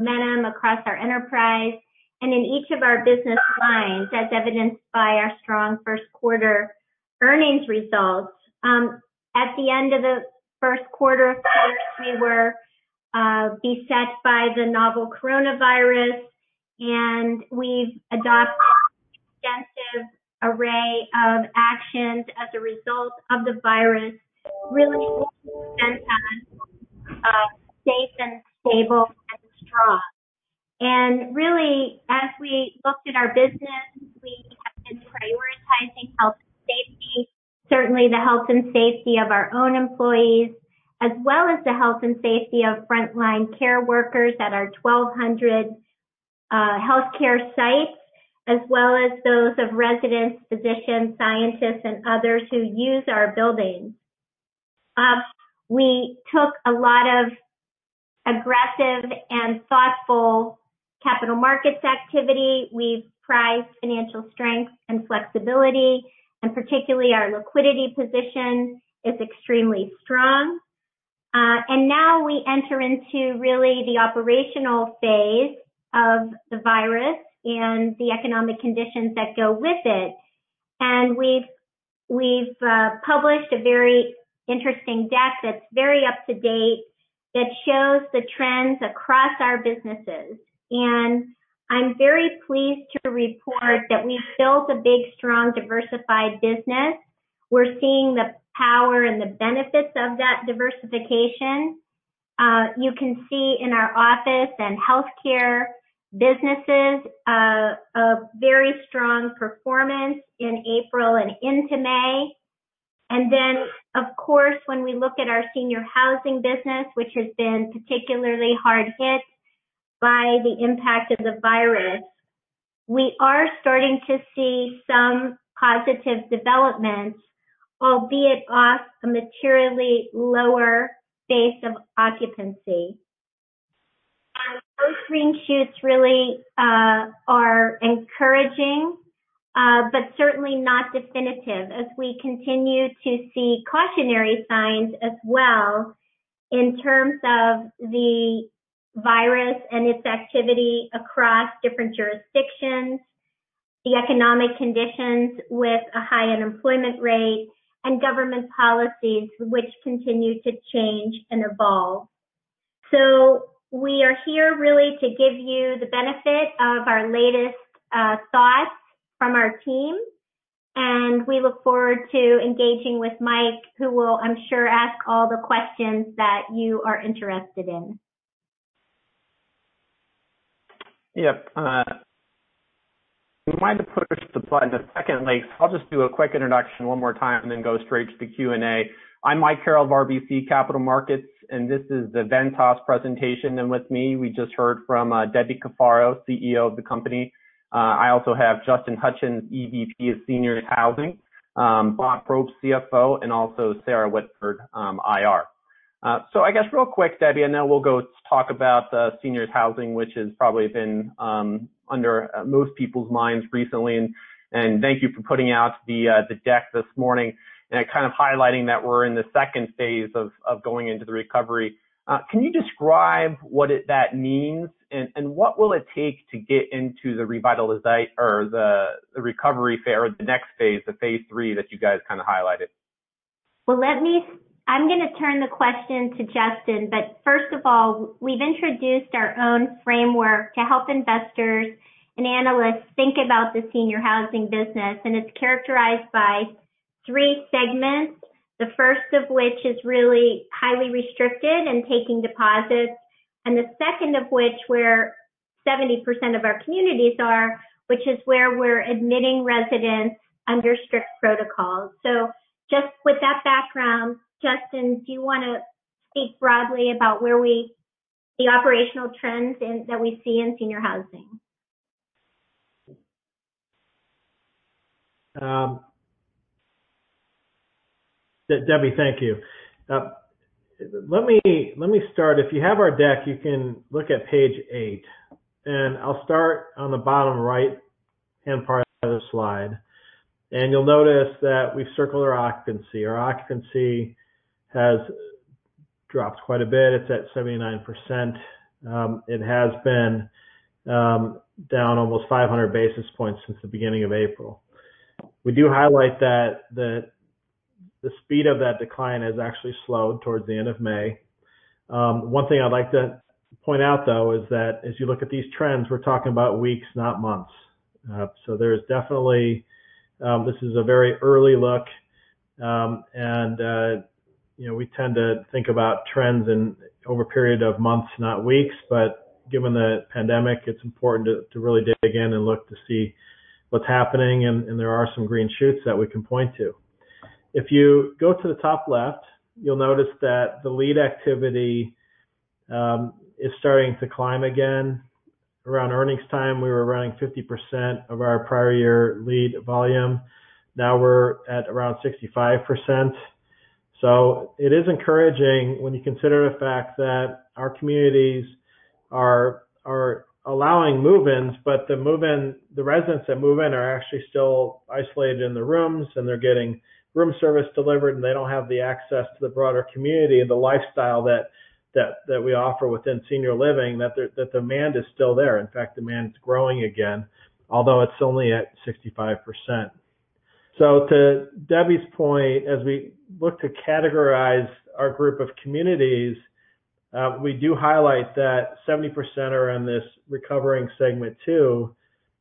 Ventas is a diverse enterprise, and in each of our business lines, as evidenced by our strong first quarter earnings results. At the end of the first quarter, we were beset by the novel coronavirus, and we've adopted an extensive array of actions as a result of the virus, really keeping Ventas safe and stable and strong, and really, as we looked at our business, we have been prioritizing health and safety, certainly the health and safety of our own employees, as well as the health and safety of frontline care workers at our 1,200 healthcare sites, as well as those of residents, physicians, scientists, and others who use our buildings. We took a lot of aggressive and thoughtful capital markets activity. We've prized financial strength and flexibility, and particularly our liquidity position is extremely strong. And now we enter into really the operational phase of the virus and the economic conditions that go with it. And we've published a very interesting deck that's very up-to-date that shows the trends across our businesses. And I'm very pleased to report that we've built a big, strong, diversified business. We're seeing the power and the benefits of that diversification. You can see in our office and healthcare businesses a very strong performance in April and into May. And then, of course, when we look at our senior housing business, which has been particularly hard hit by the impact of the virus, we are starting to see some positive developments, albeit off a materially lower base of occupancy. Those green shoots really are encouraging, but certainly not definitive, as we continue to see cautionary signs as well in terms of the virus and its activity across different jurisdictions, the economic conditions with a high unemployment rate, and government policies which continue to change and evolve, so we are here really to give you the benefit of our latest thoughts from our team, and we look forward to engaging with Mike, who will, I'm sure, ask all the questions that you are interested in. I'm going to push the button a second, Link. So I'll just do a quick introduction one more time and then go straight to the Q&A. I'm Mike Carroll of RBC Capital Markets, and this is the Ventas presentation, and with me, we just heard from Debbie Cafaro, CEO of the company. I also have Justin Hutchens, EVP, of Senior Housing, Bob Probst, CFO, and also Sarah Whitford, IR. So I guess real quick, Debbie, I know we'll go talk about Senior Housing, which has probably been under most people's minds recently, and thank you for putting out the deck this morning and kind of highlighting that we're in the second phase of going into the recovery. Can you describe what that means and what will it take to get into the revitalization or the recovery phase or the next phase, the Phase III that you guys kind of highlighted? Let me. I'm going to turn the question to Justin. First of all, we've introduced our own framework to help investors and analysts think about the senior housing business. It's characterized by three segments, the first of which is really highly restricted and taking deposits, and the second of which, where 70% of our communities are, which is where we're admitting residents under strict protocols. Just with that background, Justin, do you want to speak broadly about the operational trends that we see in senior housing? Debbie, thank you. Let me start. If you have our deck, you can look at Page 8. And I'll start on the bottom right-hand part of the slide. And you'll notice that we've circled our occupancy. Our occupancy has dropped quite a bit. It's at 79%. It has been down almost 500 basis points since the beginning of April. We do highlight that the speed of that decline has actually slowed towards the end of May. One thing I'd like to point out, though, is that as you look at these trends, we're talking about weeks, not months. So there is definitely. This is a very early look. And we tend to think about trends over a period of months, not weeks. But given the pandemic, it's important to really dig in and look to see what's happening. And there are some green shoots that we can point to. If you go to the top left, you'll notice that the lead activity is starting to climb again. Around earnings time, we were running 50% of our prior year lead volume. Now we're at around 65%, so it is encouraging when you consider the fact that our communities are allowing move-ins, but the residents that move in are actually still isolated in the rooms, and they're getting room service delivered, and they don't have the access to the broader community and the lifestyle that we offer within senior living, that the demand is still there. In fact, demand is growing again, although it's only at 65%, so to Debbie's point, as we look to categorize our group of communities, we do highlight that 70% are in this recovering segment two,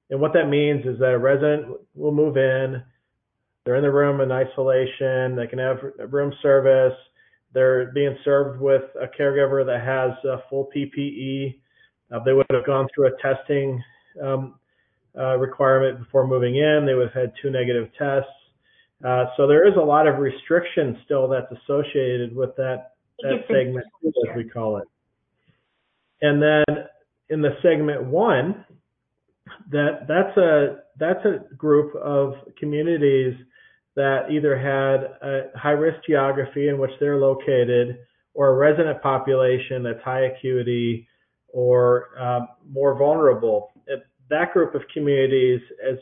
and what that means is that a resident will move in. They're in the room in isolation. They can have room service. They're being served with a caregiver that has a full PPE. They would have gone through a testing requirement before moving in. They would have had two negative tests. So there is a lot of restriction still that's associated with that segment two, as we call it. And then in the segment one, that's a group of communities that either had a high-risk geography in which they're located or a resident population that's high acuity or more vulnerable. That group of communities has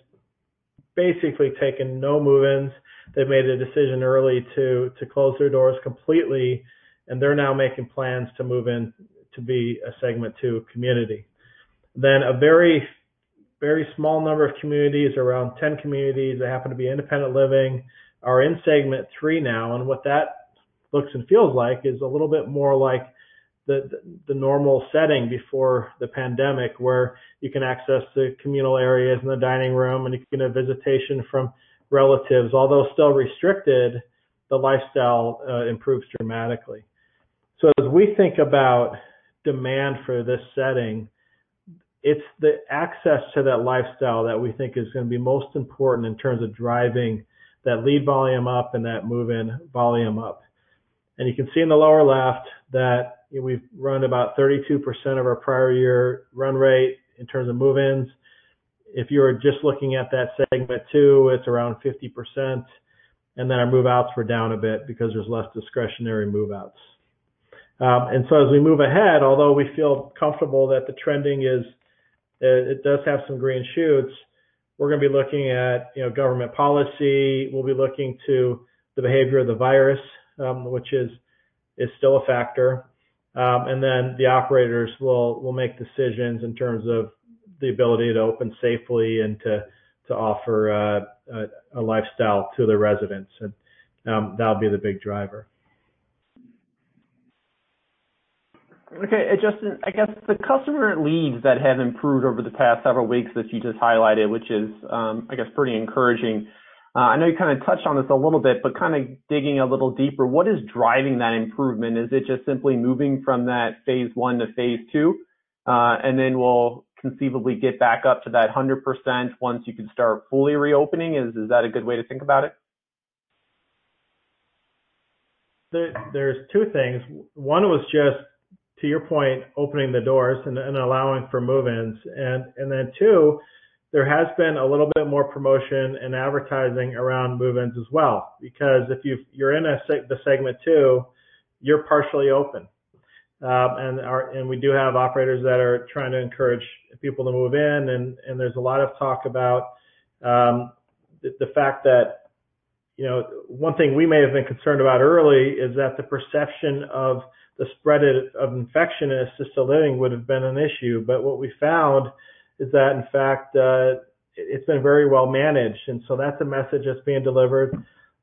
basically taken no move-ins. They've made a decision early to close their doors completely, and they're now making plans to move in to be a segment two community. Then a very, very small number of communities, around 10 communities that happen to be independent living, are in segment three now. What that looks and feels like is a little bit more like the normal setting before the pandemic, where you can access the communal areas and the dining room, and you can get visitation from relatives. Although still restricted, the lifestyle improves dramatically. As we think about demand for this setting, it's the access to that lifestyle that we think is going to be most important in terms of driving that lead volume up and that move-in volume up. You can see in the lower left that we've run about 32% of our prior year run rate in terms of move-ins. If you're just looking at that segment two, it's around 50%. Then our move-outs were down a bit because there's less discretionary move-outs. And so as we move ahead, although we feel comfortable that the trending is it does have some green shoots, we're going to be looking at government policy. We'll be looking to the behavior of the virus, which is still a factor. And then the operators will make decisions in terms of the ability to open safely and to offer a lifestyle to the residents and that'll be the big driver. Okay. Justin, I guess the customer leads that have improved over the past several weeks that you just highlighted, which is, I guess, pretty encouraging. I know you kind of touched on this a little bit, but kind of digging a little deeper, what is driving that improvement? Is it just simply moving from that Phase I to Phase II and then we'll conceivably get back up to that 100% once you can start fully reopening? Is that a good way to think about it? There's two things. One was just, to your point, opening the doors and allowing for move-ins. And then two, there has been a little bit more promotion and advertising around move-ins as well. Because if you're in the segment two, you're partially open. And we do have operators that are trying to encourage people to move in. And there's a lot of talk about the fact that one thing we may have been concerned about early is that the perception of the spread of infection in assisted living would have been an issue. But what we found is that, in fact, it's been very well managed. And so that's a message that's being delivered.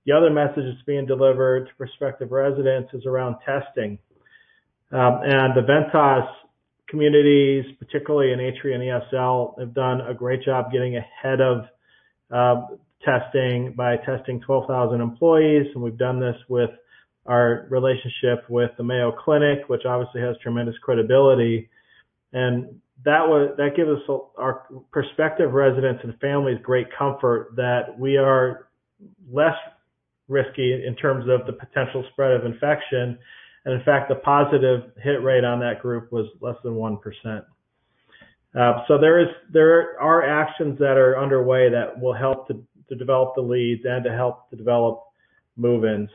The other message that's being delivered to prospective residents is around testing. And the Ventas communities, particularly in Atria and ESL, have done a great job getting ahead of testing by testing 12,000 employees. We've done this with our relationship with the Mayo Clinic, which obviously has tremendous credibility. That gives our prospective residents and families great comfort that we are less risky in terms of the potential spread of infection. In fact, the positive hit rate on that group was less than 1%. There are actions that are underway that will help to develop the leads and to help to develop move-ins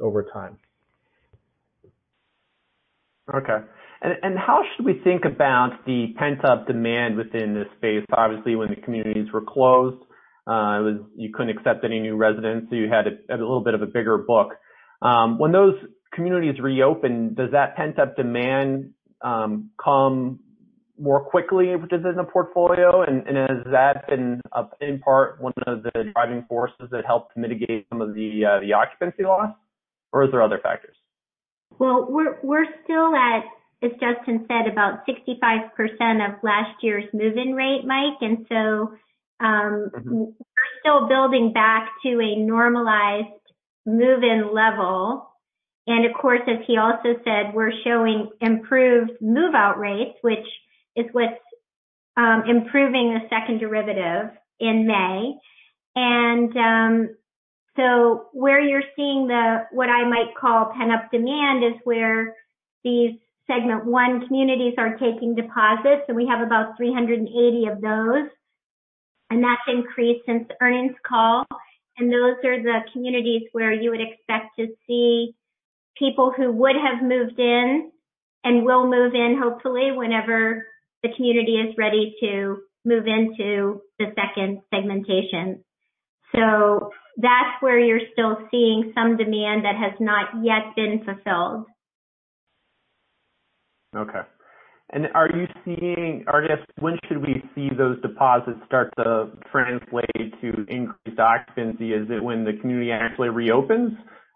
over time. Okay. And how should we think about the pent-up demand within this phase? Obviously, when the communities were closed, you couldn't accept any new residents, so you had a little bit of a bigger book. When those communities reopen, does that pent-up demand come more quickly within the portfolio? And has that been in part one of the driving forces that helped mitigate some of the occupancy loss? Or are there other factors? We're still at, as Justin said, about 65% of last year's move-in rate, Mike, and so we're still building back to a normalized move-in level. And of course, as he also said, we're showing improved move-out rates, which is what's improving the second derivative in May, and so where you're seeing what I might call pent-up demand is where these segment one communities are taking deposits, and we have about 380 of those, and that's increased since earnings call, and those are the communities where you would expect to see people who would have moved in and will move in, hopefully, whenever the community is ready to move into the second segmentation, so that's where you're still seeing some demand that has not yet been fulfilled. Okay. And are you seeing, or I guess, when should we see those deposits start to translate to increased occupancy? Is it when the community actually reopens?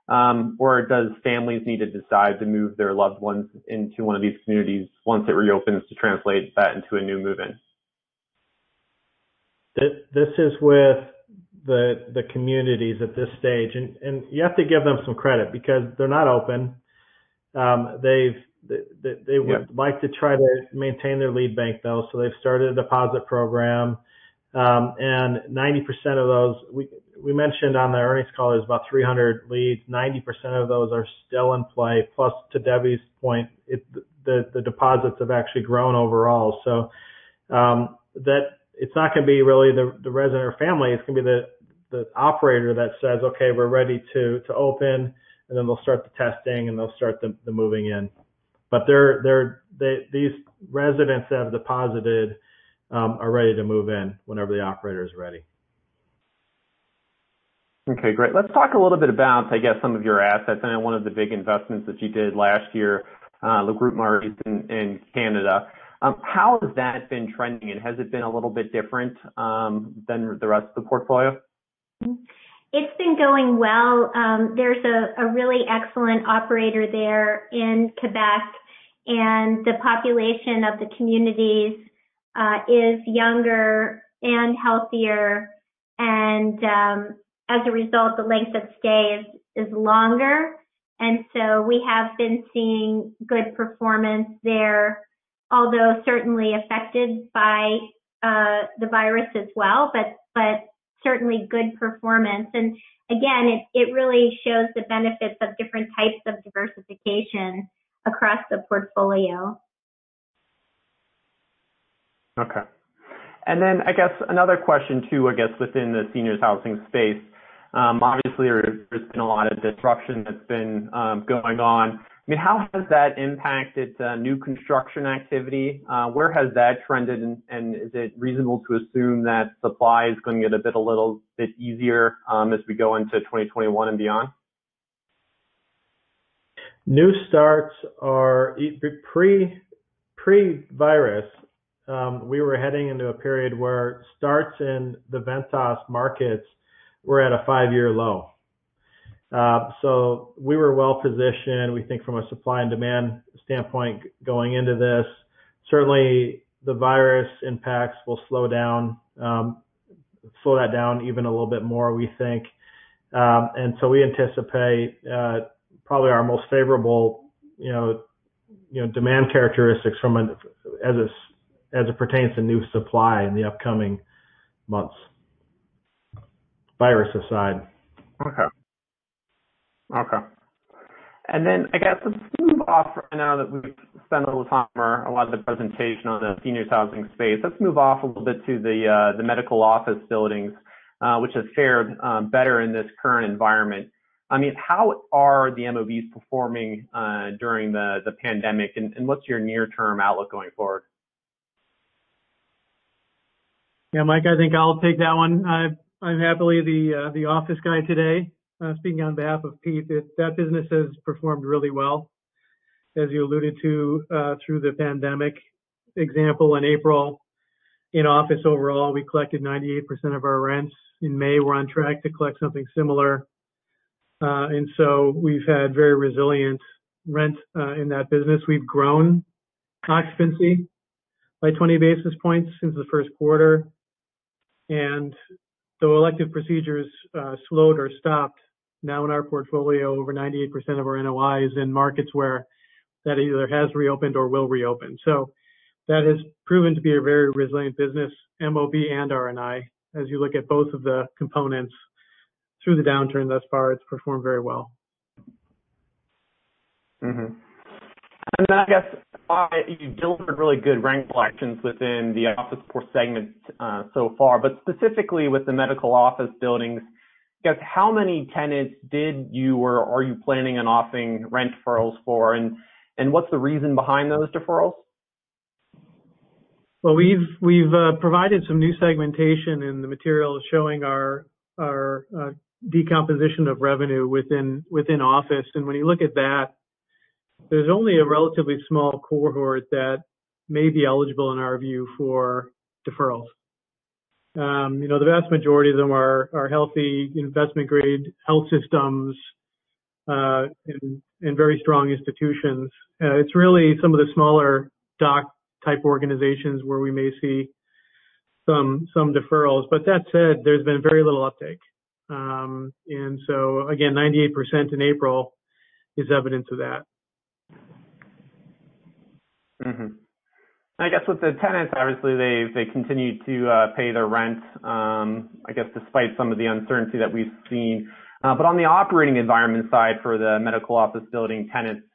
Or do families need to decide to move their loved ones into one of these communities once it reopens to translate that into a new move-in? This is with the communities at this stage, and you have to give them some credit because they're not open. They would like to try to maintain their lead bank, though. So they've started a deposit program, and 90% of those, we mentioned on the earnings call, there's about 300 leads. 90% of those are still in play. Plus, to Debbie's point, the deposits have actually grown overall. So it's not going to be really the resident or family. It's going to be the operator that says, "Okay, we're ready to open," and then they'll start the testing, and they'll start the moving in. But these residents that have deposited are ready to move in whenever the operator is ready. Okay. Great. Let's talk a little bit about, I guess, some of your assets. I know one of the big investments that you did last year, Le Groupe Maurice in Canada. How has that been trending? And has it been a little bit different than the rest of the portfolio? It's been going well. There's a really excellent operator there in Quebec. And the population of the communities is younger and healthier. And as a result, the length of stay is longer. And so we have been seeing good performance there, although certainly affected by the virus as well, but certainly good performance. And again, it really shows the benefits of different types of diversification across the portfolio. Okay. And then I guess another question too, I guess, within the seniors' housing space. Obviously, there's been a lot of disruption that's been going on. I mean, how has that impacted new construction activity? Where has that trended? And is it reasonable to assume that supply is going to get a bit easier as we go into 2021 and beyond? New starts are pre-virus. We were heading into a period where starts in the Ventas markets were at a five-year low, so we were well positioned, we think, from a supply and demand standpoint going into this. Certainly, the virus impacts will slow that down even a little bit more, we think, and so we anticipate probably our most favorable demand characteristics as it pertains to new supply in the upcoming months, virus aside. Okay. Okay. And then I guess let's move off right now that we've spent a little time or a lot of the presentation on the seniors' housing space. Let's move off a little bit to the medical office buildings, which has fared better in this current environment. I mean, how are the MOBs performing during the pandemic? And what's your near-term outlook going forward? Yeah, Mike, I think I'll take that one. I'm happily the office guy today, speaking on behalf of Pete. That business has performed really well, as you alluded to, through the pandemic example in April. In office, overall, we collected 98% of our rents. In May, we're on track to collect something similar. And so we've had very resilient rent in that business. We've grown occupancy by 20 basis points since the first quarter. And though elective procedures slowed or stopped, now in our portfolio, over 98% of our NOI is in markets where that either has reopened or will reopen. So that has proven to be a very resilient business, MOB and R&I, as you look at both of the components. Through the downturn thus far, it's performed very well. And I guess you've delivered really good rental actions within the office segment so far. But specifically with the medical office buildings, I guess how many tenants did you or are you planning on offering rent deferrals for? And what's the reason behind those deferrals? We've provided some new segmentation, and the material is showing our decomposition of revenue within office. When you look at that, there's only a relatively small cohort that may be eligible, in our view, for deferrals. The vast majority of them are healthy investment-grade health systems and very strong institutions. It's really some of the smaller doc-type organizations where we may see some deferrals. That said, there's been very little uptake. Again, 98% in April is evidence of that. I guess with the tenants, obviously, they continue to pay their rent, I guess, despite some of the uncertainty that we've seen. But on the operating environment side for the medical office building tenants,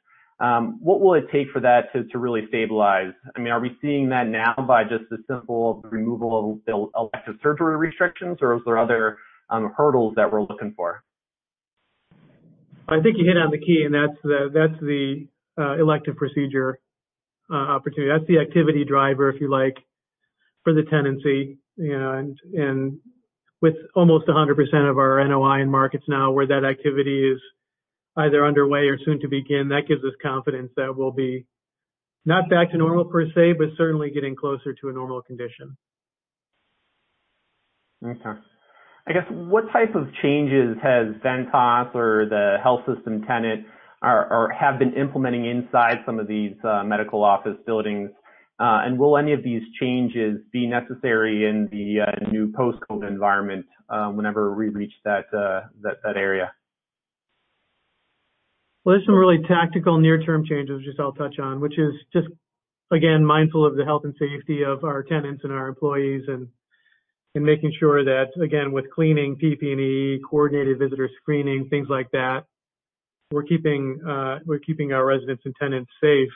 what will it take for that to really stabilize? I mean, are we seeing that now by just the simple removal of elective surgery restrictions? Or is there other hurdles that we're looking for? I think you hit on the key, and that's the elective procedure opportunity. That's the activity driver, if you like, for the tenancy. And with almost 100% of our NOI in markets now, where that activity is either underway or soon to begin, that gives us confidence that we'll be not back to normal per se, but certainly getting closer to a normal condition. Okay. I guess what type of changes has Ventas or the health system tenant have been implementing inside some of these medical office buildings? And will any of these changes be necessary in the new post-COVID environment whenever we reach that area? There's some really tactical near-term changes, which I'll touch on, which is just, again, mindful of the health and safety of our tenants and our employees and making sure that, again, with cleaning, PPE, coordinated visitor screening, things like that, we're keeping our residents and tenants safe.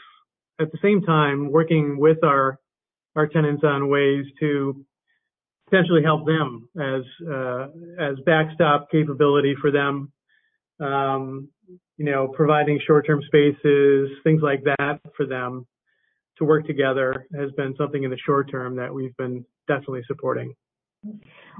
At the same time, working with our tenants on ways to potentially help them as backstop capability for them, providing short-term spaces, things like that for them to work together has been something in the short term that we've been definitely supporting.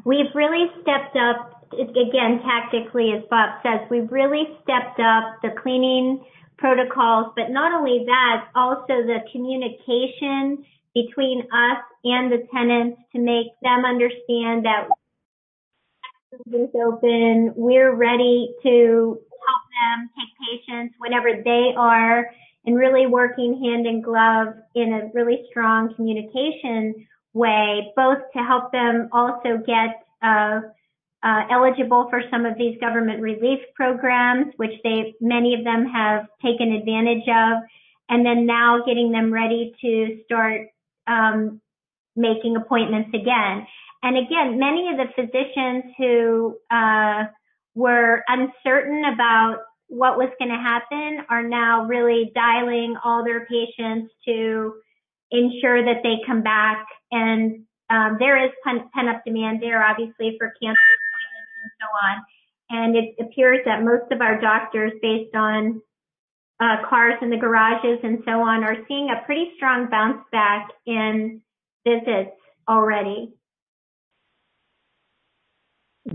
We've really stepped up, again, tactically, as Bob says. We've really stepped up the cleaning protocols, but not only that, also the communication between us and the tenants to make them understand that we're ready to help them take patients whenever they are and really working hand in glove in a really strong communication way, both to help them also get eligible for some of these government relief programs, which many of them have taken advantage of, and then now getting them ready to start making appointments again. Again, many of the physicians who were uncertain about what was going to happen are now really dialing all their patients to ensure that they come back, and there is pent-up demand there, obviously, for cancer appointments and so on. It appears that most of our doctors, based on cars in the garages and so on, are seeing a pretty strong bounce back in visits already.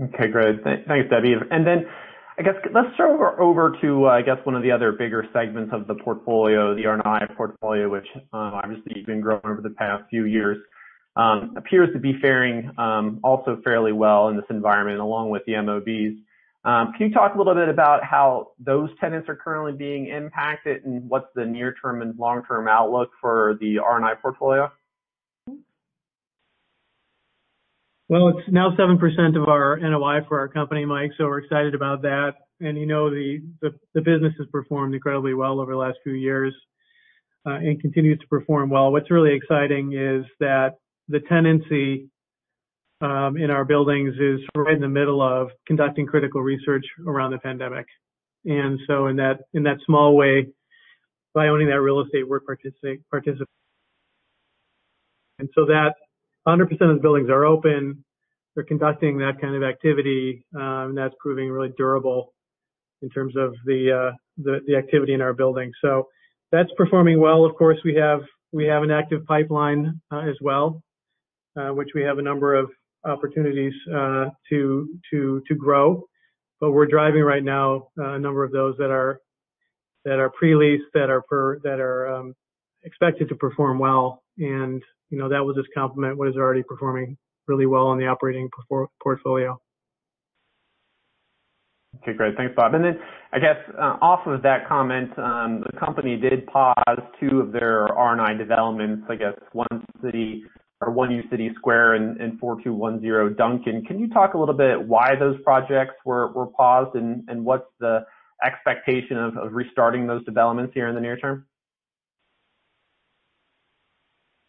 Okay. Great. Thanks, Debbie. And then I guess let's throw over to, I guess, one of the other bigger segments of the portfolio, the R&I portfolio, which obviously you've been growing over the past few years, appears to be faring also fairly well in this environment along with the MOBs. Can you talk a little bit about how those tenants are currently being impacted and what's the near-term and long-term outlook for the R&I portfolio? It's now 7% of our NOI for our company, Mike. So we're excited about that. And the business has performed incredibly well over the last few years and continues to perform well. What's really exciting is that the tenancy in our buildings is right in the middle of conducting critical research around the pandemic. And so in that small way, by owning that real estate, we're participating. And so, 100% of the buildings are open. They're conducting that kind of activity. And that's proving really durable in terms of the activity in our building. So that's performing well. Of course, we have an active pipeline as well, which we have a number of opportunities to grow. But we're driving right now a number of those that are pre-leased, that are expected to perform well. That will just complement what is already performing really well in the operating portfolio. Okay. Great. Thanks, Bob. And then I guess off of that comment, the company did pause two of their R&I developments, I guess, One uCity Square and 4210 Duncan. Can you talk a little bit why those projects were paused and what's the expectation of restarting those developments here in the near term?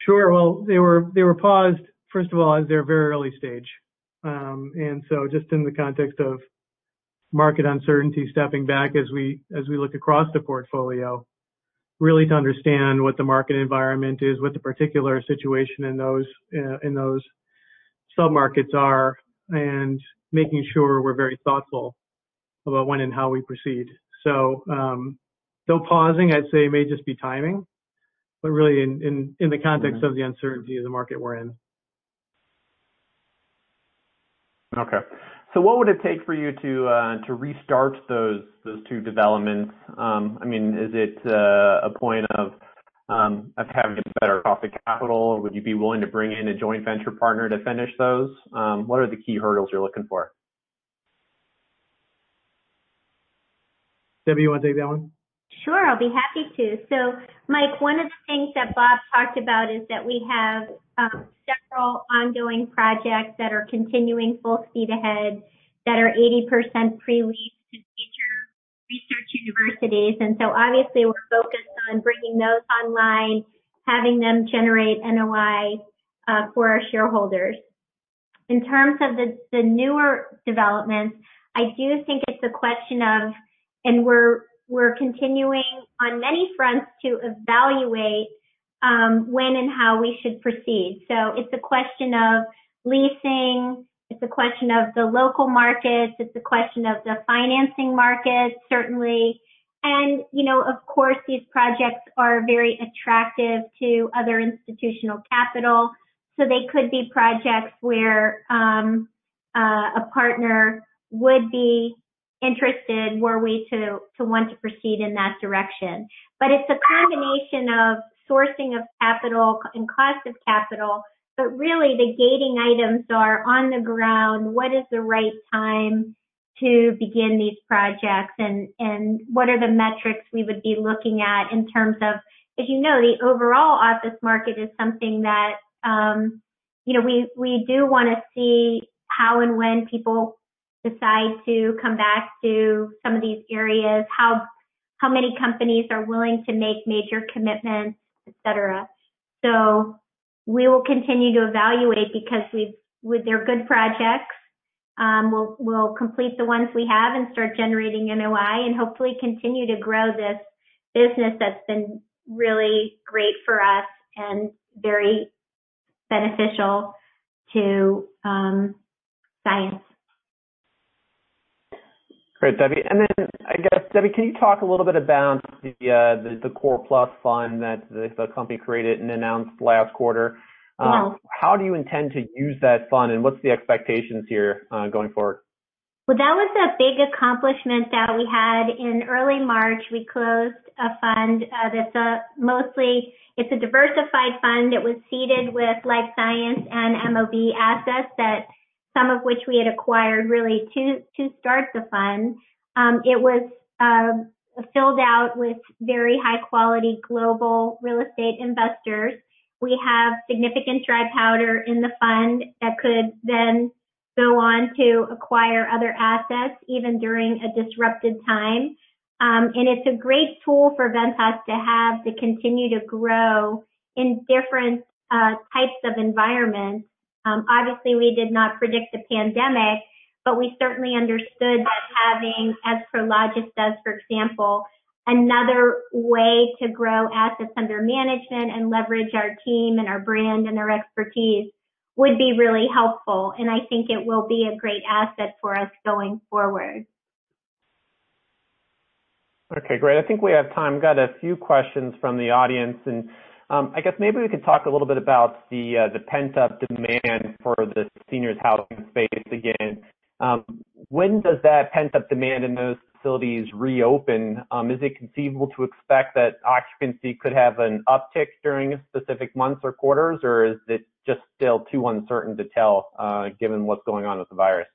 Sure. Well, they were paused, first of all, as they're very early stage. And so just in the context of market uncertainty, stepping back as we look across the portfolio, really to understand what the market environment is, what the particular situation in those sub-markets are, and making sure we're very thoughtful about when and how we proceed, so though pausing, I'd say, may just be timing, but really in the context of the uncertainty of the market we're in. Okay. So what would it take for you to restart those two developments? I mean, is it a matter of having better private capital? Would you be willing to bring in a joint venture partner to finish those? What are the key hurdles you're looking for? Debbie, you want to take that one? Sure. I'll be happy to. So Mike, one of the things that Bob talked about is that we have several ongoing projects that are continuing full speed ahead that are 80% pre-leased to future research universities. And so obviously, we're focused on bringing those online, having them generate NOI for our shareholders. In terms of the newer developments, I do think it's a question of, and we're continuing on many fronts to evaluate when and how we should proceed. So it's a question of leasing. It's a question of the local markets. It's a question of the financing market, certainly. And of course, these projects are very attractive to other institutional capital. So they could be projects where a partner would be interested were we to want to proceed in that direction. But it's a combination of sourcing of capital and cost of capital. But really, the gating items are on the ground. What is the right time to begin these projects, and what are the metrics we would be looking at in terms of, as you know, the overall office market is something that we do want to see how and when people decide to come back to some of these areas, how many companies are willing to make major commitments, etc., so we will continue to evaluate because they're good projects. We'll complete the ones we have and start generating NOI and hopefully continue to grow this business that's been really great for us and very beneficial to science. Great, Debbie. And then I guess, Debbie, can you talk a little bit about the Core Plus Fund that the company created and announced last quarter? Yes. How do you intend to use that fund? And what's the expectations here going forward? That was a big accomplishment that we had. In early March, we closed a fund that's mostly a diversified fund. It was seeded with life science and MOB assets that, some of which we had acquired really to start the fund. It was filled out with very high-quality global real estate investors. We have significant dry powder in the fund that could then go on to acquire other assets even during a disrupted time. It's a great tool for Ventas to have to continue to grow in different types of environments. Obviously, we did not predict the pandemic, but we certainly understood that having, as Prologis does, for example, another way to grow assets under management and leverage our team and our brand and our expertise would be really helpful. I think it will be a great asset for us going forward. Okay. Great. I think we have time. Got a few questions from the audience. And I guess maybe we could talk a little bit about the pent-up demand for the seniors' housing space again. When does that pent-up demand in those facilities reopen? Is it conceivable to expect that occupancy could have an uptick during specific months or quarters? Or is it still too uncertain to tell given what's going on with the virus?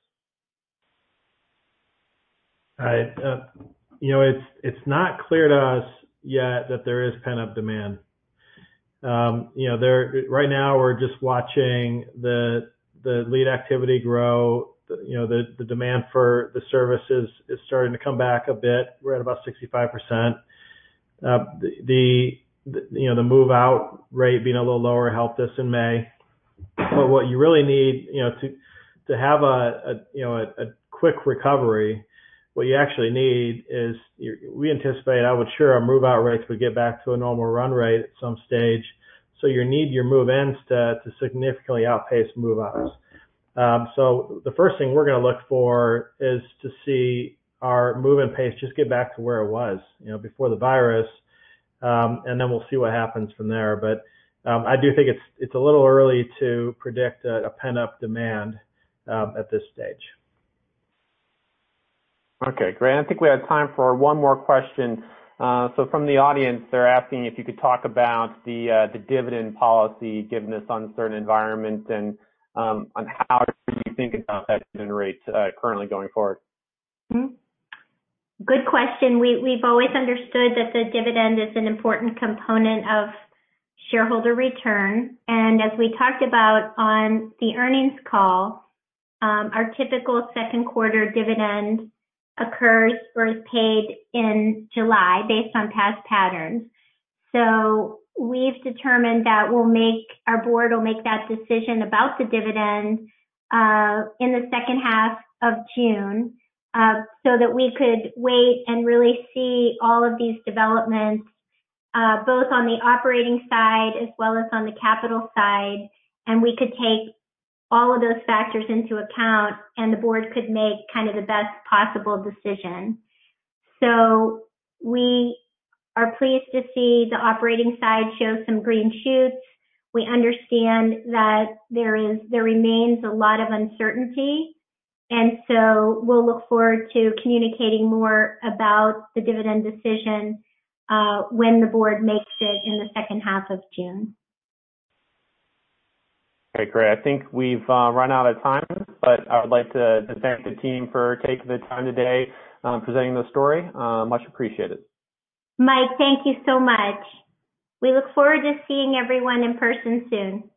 Right. It's not clear to us yet that there is pent-up demand. Right now, we're just watching the lead activity grow. The demand for the services is starting to come back a bit. We're at about 65%. The move-out rate being a little lower helped us in May. But what you really need to have a quick recovery, what you actually need is we anticipate, I would share our move-out rates would get back to a normal run rate at some stage, so you need your move-ins to significantly outpace move-outs, so the first thing we're going to look for is to see our move-in pace just get back to where it was before the virus, and then we'll see what happens from there, but I do think it's a little early to predict a pent-up demand at this stage. Okay. Great. I think we have time for one more question. So from the audience, they're asking if you could talk about the dividend policy given this uncertain environment and how do you think about that dividend rate currently going forward? Good question. We've always understood that the dividend is an important component of shareholder return. And as we talked about on the earnings call, our typical second-quarter dividend occurs or is paid in July based on past patterns. So we've determined that our board will make that decision about the dividend in the second half of June so that we could wait and really see all of these developments both on the operating side as well as on the capital side. And we could take all of those factors into account, and the board could make kind of the best possible decision. So we are pleased to see the operating side show some green shoots. We understand that there remains a lot of uncertainty. And so we'll look forward to communicating more about the dividend decision when the board makes it in the second half of June. Okay. Great. I think we've run out of time, but I would like to thank the team for taking the time today presenting the story. Much appreciated. Mike, thank you so much. We look forward to seeing everyone in person soon.